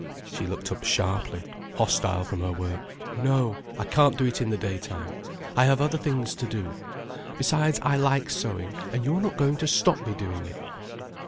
She looked up sharply, hostile from her work. "No, I can't do it in the daytime. I have other things to do. Besides, I like sewing, and you're not going to stop me doing it."